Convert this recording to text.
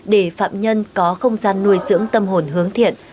để phạm nhân có không gian nuôi dưỡng tâm hồn hướng thiện